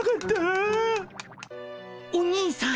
お兄さん。